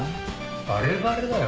バレバレだよ。